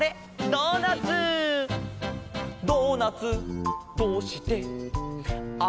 「ドーナツどうして穴がある？」